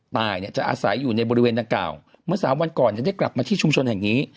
ตายจะอาศัยอยู่ในบริเวณนางเก่าเมื่อ๓วันก่อนจะได้กลับมาที่ชุมชนอย่างนี้